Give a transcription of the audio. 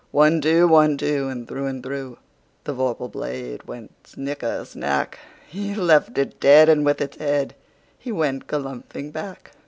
One, two! One, two! And through and throughThe vorpal blade went snicker snack! He left it dead, and with its headHe went galumphing back.